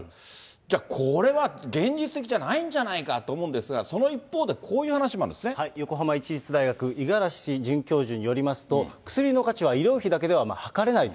じゃあ、これは現実的じゃないんじゃないかと思うんですが、その一方で、横浜市立大学、五十嵐准教授によりますと、薬の価値は医療費だけでははかれないと。